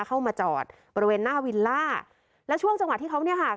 เข้ามาจอดบริเวณหน้าวิลล่าแล้วช่วงจังหวะที่เขาเนี่ยค่ะ